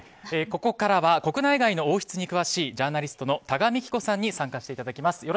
ここからは国内外の王室に詳しいジャーナリストの多賀幹子さんに参加していただきます。